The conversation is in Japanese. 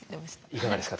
いかがですか？